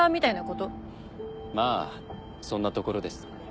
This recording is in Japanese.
まあそんなところです。